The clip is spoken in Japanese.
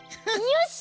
よし！